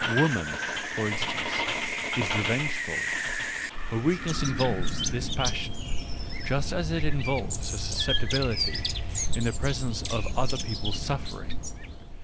[Woman, for in ,^^ stance, is revengeful ; her weakness involves this passion, just as it involves her susceptibility in the presence of other people's suffering.